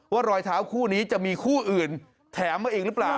รอยเท้าคู่นี้จะมีคู่อื่นแถมมาเองหรือเปล่า